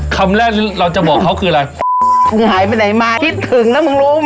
คำแรกเราจะบอกเขาคืออะไรหายไปไหนมาคิดถึงแล้วมึงรู้ไหม